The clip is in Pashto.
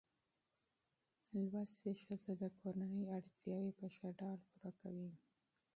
زده کړه ښځه د کورنۍ اړتیاوې په ښه ډول پوره کوي.